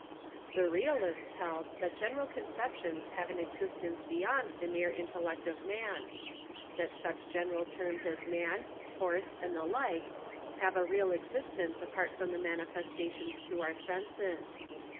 The Realists held that general conceptions have an ex istence beyond the mere intellect of man ; that such general terms as man, horse, and the like have a real existence apart from the manifestations to our senses.